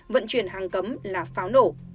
vận chuyển hàng cấm là pháo nổ